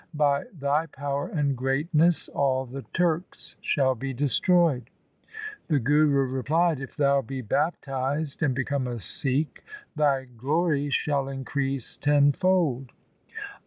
By thy power and greatness all the Turks shall be destroyed.' The Guru replied, ' If thou be baptized and become a Sikh, thy glory shall increase tenfold.'